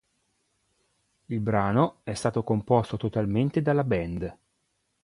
Il brano è stato composto totalmente dalla band.